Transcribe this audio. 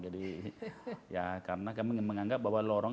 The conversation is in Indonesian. jadi ya karena kami menganggap bahwa lorong